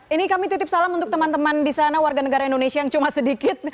ini kami titip salam untuk teman teman di sana warga negara indonesia yang cuma sedikit